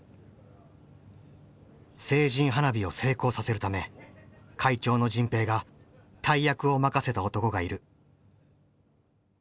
成人花火を成功させるため会長の迅平が大役を任せた男がいる。